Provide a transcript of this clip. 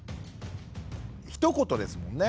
ひと言ですもんね。